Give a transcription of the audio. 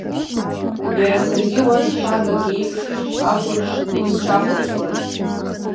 Иара саргьы уаз ҳәагак еиԥш акәын уи сшахәаԥшуаз.